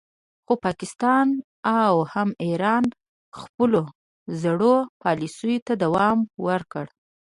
خو پاکستان او هم ایران خپلو زړو پالیسیو ته دوام ورکړ